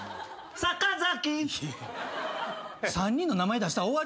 「坂崎」３人の名前出したら終わりやんか。